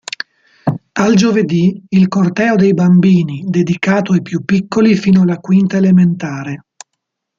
Al giovedì il "Corteo dei bambini", dedicato ai più piccoli fino alla quinta elementare.